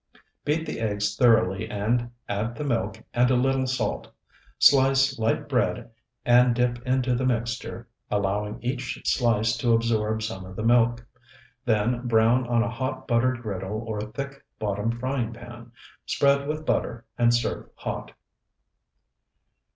Beat the eggs thoroughly and add the milk and a little salt. Slice light bread and dip into the mixture, allowing each slice to absorb some of the milk. Then brown on a hot, buttered griddle or thick bottomed frying pan. Spread with butter, and serve hot.